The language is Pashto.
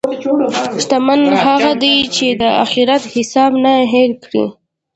شتمن هغه دی چې د اخرت حساب نه هېر کړي.